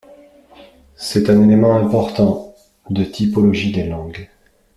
C'est un élément important de typologie des langues.